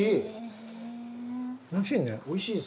おいしい！